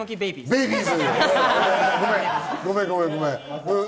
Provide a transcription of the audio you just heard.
ベイビーズ。